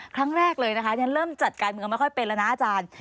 ครั้งแรกเลยนะคะฉันเริ่มจัดการเมืองไม่ค่อยเป็นแล้วนะอาจารย์